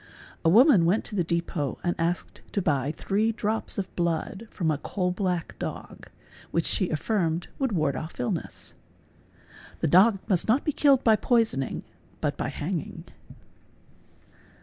A woman went to the depot and asked to buy three drops of blood from a coal black dog, which — she affirmed would ward off illness. The dog must not be killed by poisoning but by hanging.